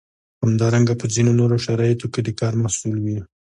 همدارنګه په ځینو نورو شرایطو کې د کار محصول وي.